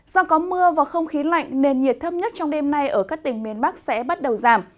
do có mưa và không khí lạnh nền nhiệt thấp nhất trong đêm nay ở các tỉnh miền bắc sẽ bắt đầu giảm